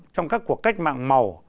trong các cuộc cách mạng màu